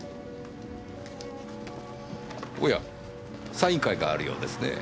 おやサイン会があるようですねぇ。